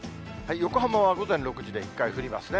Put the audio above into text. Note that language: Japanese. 横浜は午前６時で１回降りますね。